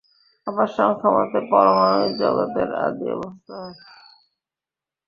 আবার সাংখ্যমতে পরমাণুই জগতের আদি অবস্থা নয়।